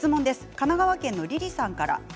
神奈川県の方からです。